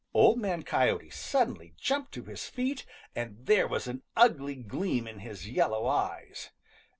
Old Man Coyote suddenly jumped to his feet, and there was an ugly gleam in his yellow eyes.